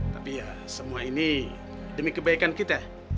tapi ya semua ini demi kebaikan kita